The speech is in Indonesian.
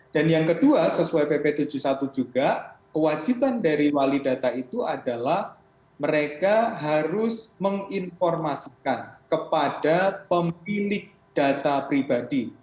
dan yang kedua sesuai pp tujuh puluh satu juga kewajiban dari wali data itu adalah mereka harus menginformasikan kepada pemilik data pribadi